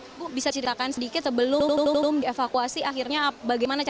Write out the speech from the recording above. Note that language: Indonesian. ibu bisa ceritakan sedikit sebelum belum dievakuasi akhirnya bagaimana caranya